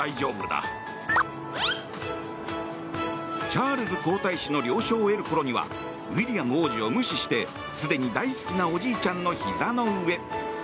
チャールズ皇太子の了承を得るころにはウィリアム王子を無視してすでに大好きなおじいちゃんのひざの上。